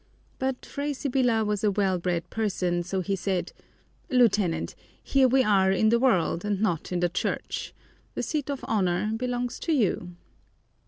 But Fray Sibyla was a well bred person, so he said, "Lieutenant, here we are in the world and not in the church. The seat of honor belongs to you."